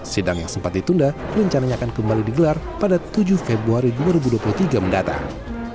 sidang yang sempat ditunda rencananya akan kembali digelar pada tujuh februari dua ribu dua puluh tiga mendatang